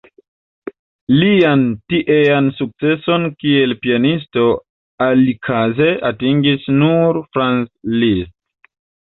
Lian tiean sukceson kiel pianisto alikaze atingis nur Franz Liszt.